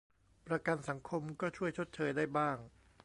ประกันสังคมก็ช่วยชดเชยได้บ้าง